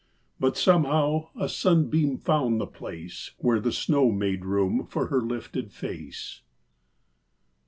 But somehow a sunbeam found the place Where the snow made room for her lifted face.